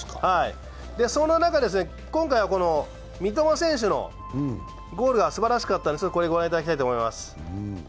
そんな中で今回、三笘選手のゴールがすばらしかったのでご覧いただきたいと思います。